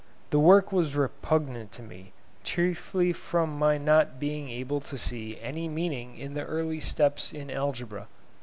The work was repugnant to me, chiefly from my not being able to see any meaning in the early steps in algebra.